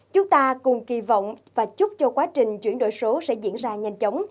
chúng ta cùng kỳ vọng và chúc cho quá trình chuyển đổi số sẽ diễn ra nhanh chóng